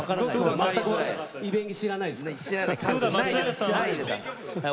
イベンギ知らないですからね。